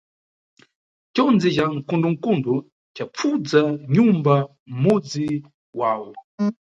Condzi ca nkundonkundo capfudza nyumba mʼmudzi wawo.